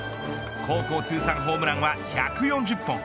高校通算ホームランは１４０本。